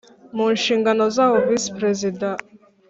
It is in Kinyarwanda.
mu nshingano zayo Visi Perezida